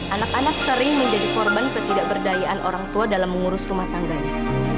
anak anak sering menjadi korban ketidakberdayaan orang tua dalam mengurus rumah tangganya